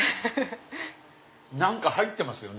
何か入ってますよね。